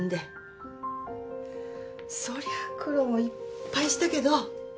そりゃ苦労もいっぱいしたけど。